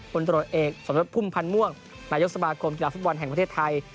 ตรวจเอกสมยศพุ่มพันธ์ม่วงนายกสมาคมกีฬาฟุตบอลแห่งประเทศไทย